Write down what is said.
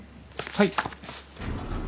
はい。